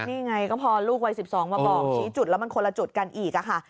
นี่ไงก็พอลูกวัย๑๒มาบอกชี้จุดแล้วมันคนละจุดกันอีกค่ะ